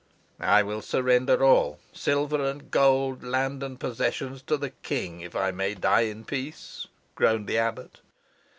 "I will surrender all silver and gold, land and possessions to the king, if I may die in peace," groaned the abbot.